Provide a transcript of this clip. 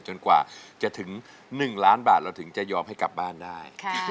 กว่าจะถึง๑ล้านบาทเราถึงจะยอมให้กลับบ้านได้